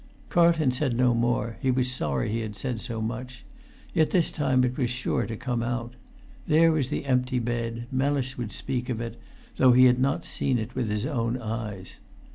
Carlton said no more; he was sorry he had said so much. Yet this time it was sure to come out. There was the empty bed. Mellis would speak of it, though he had not seen it with his own eyes.